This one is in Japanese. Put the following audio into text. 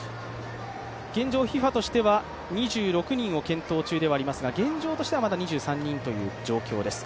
現状、ＦＩＦＡとしては２６人を検討中ではありますが現状としてはまだ２３人という状況です。